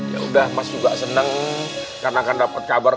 yaudah mas juga seneng karena akan dapat kabar